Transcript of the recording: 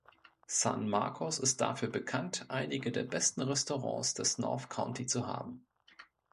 San Marcos ist dafür bekannt einige der besten Restaurants des North County zu haben.